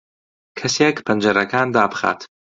کەسێک پەنجەرەکان دابخات.